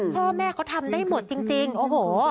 พ่อแม่เขาทำได้หมดจริงโอ้โห